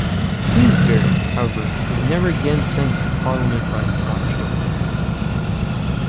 Queensberry, however, was never again sent to parliament by the Scottish nobles.